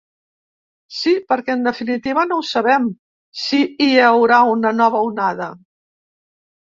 Sí, perquè en definitiva no ho sabem, si hi haurà una nova onada.